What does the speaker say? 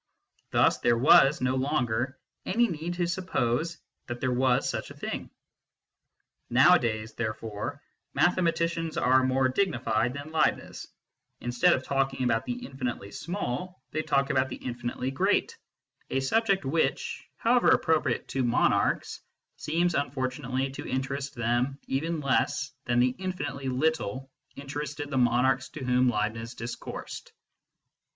Thus there was no longer any need to suppose that there was such a thing. Nowadays, therefore, mathematicians are more dignified than Leibniz : instead of talking about the infinitely small, they talk about the infinitely great a subject MATHEMATICS AND METAPHYSICIANS 83 which, however appropriate to monarchs, seems, un fortunately, to interest them even less than the infinitely li^le interested the monarchs to whom Leibniz discoursed.